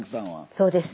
そうです。